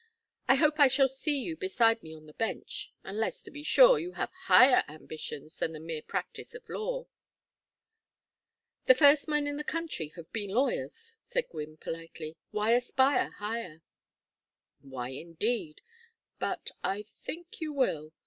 I hope I shall see you beside me on the bench unless, to be sure, you have higher ambitions than the mere practice of law." "The first men in the country have been lawyers," said Gwynne, politely. "Why aspire higher?" "Why, indeed? But I think you will.